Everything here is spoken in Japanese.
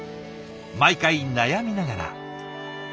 毎回悩みながら。